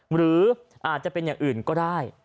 หรืออาจจะเป็นอย่างอื่นก็ได้